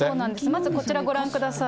まずこちらご覧ください。